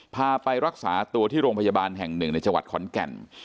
พาไปรักษาตัวที่โรงพยาบาลแห่งหนึ่งในจังหวัดขอนแก่น